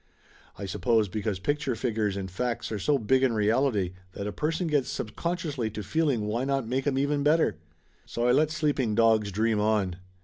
I suppose because pic ture figures and facts are so big in reality that a person gets subconsciously to feeling why not make 'em even better? So I let sleeping dogs dream on.